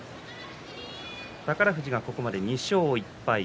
宝富士は、ここまで２勝１敗。